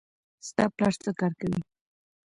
ستا پلار څه کار کوي